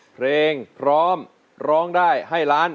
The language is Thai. เพลงพร้อมร้องได้ให้ล้าน